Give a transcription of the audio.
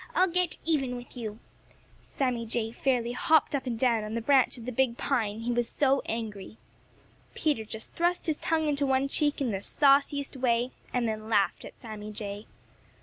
I'll get even with you!" Sammy Jay fairly hopped up and down on the branch of the big pine, he was so angry. Peter just thrust his tongue into one cheek in the sauciest way and then laughed at Sammy Jay.